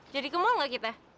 jadi kemul gak kita